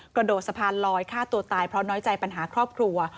กระโดดสะพานลอยฆ่าตัวตายเพราะน้อยใจปัญหาครอบครัว